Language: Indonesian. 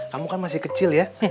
kamu kan masih kecil ya